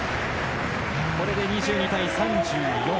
これで２２対３４。